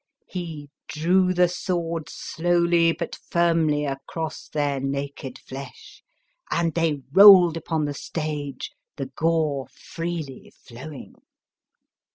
He drew the sword slowly but firmly across their naked flesh, and they rolled upon the stage, the gore freely flowing.